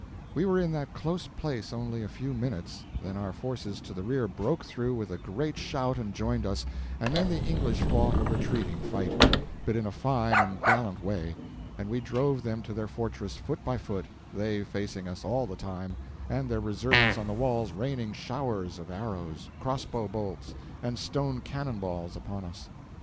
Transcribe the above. We were in that close place only a few minutes; then our forces to the rear broke through with a great shout and joined us, and then the English fought a retreating fight, but in a fine and gallant way, and we drove them to their fortress foot by foot, they facing us all the time, and their reserves on the walls raining showers of arrows, cross bow bolts, and stone cannon balls upon us.